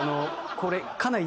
これかなり。